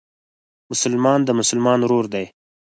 مسلمان د مسلمان ورور دئ.